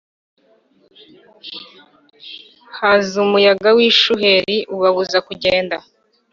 haza umuyaga w ishuheri ububabuza kugenda